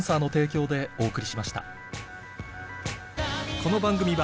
この番組は